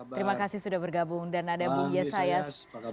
terima kasih sudah bergabung dan ada bung yesayas